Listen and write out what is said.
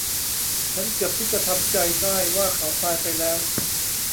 ฉันเกือบที่จะทำใจได้ว่าเขาตายไปแล้ว